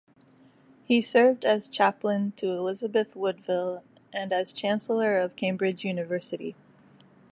He served as chaplain to Elizabeth Woodville and as Chancellor of Cambridge University.